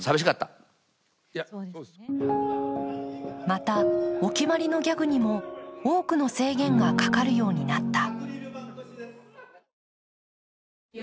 また、お決まりのギャグにも多くの制限がかかるようになった。